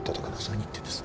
何言ってんです